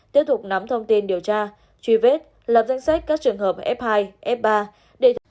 tiếp tục nắm thông tin điều tra truy vết lập danh sách các trường hợp f hai f ba để